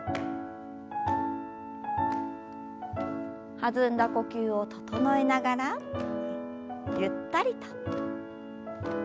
弾んだ呼吸を整えながらゆったりと。